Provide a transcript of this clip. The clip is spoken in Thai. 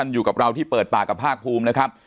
อยู่กับเราที่เปิดปากกับภาคภูมินะครับ